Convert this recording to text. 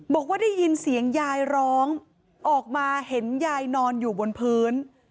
บอกว่าได้ยินเสียงยายร้องออกมาเห็นยายนอนอยู่บนพื้น